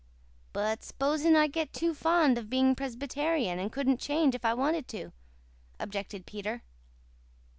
"But s'posen I got too fond of being Presbyterian and couldn't change if I wanted to?" objected Peter.